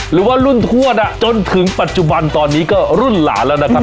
หรือว่ารุ่นทวดจนถึงปัจจุบันตอนนี้ก็รุ่นหลานแล้วนะครับ